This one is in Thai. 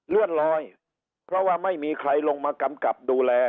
เลื่อนลอยเพราะว่าไม่มีใครลงมากำกับดูแล